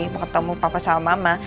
mau ketemu papa sama mama